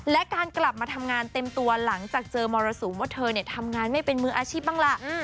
และการกลับมาทำงานเต็มตัวหลังจากเจอมรสุมว่าเธอทำงานไม่เป็นมืออาชีพบ้างล่ะ